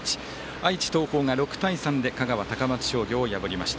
愛知の東邦が、６対３で香川、高松商業を破りました。